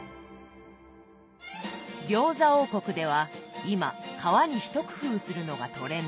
餃子王国では今皮に一工夫するのがトレンド。